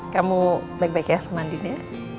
kamu baik baik ya mandinya